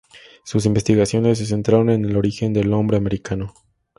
Sus investigaciones se centraron en el origen del hombre americano.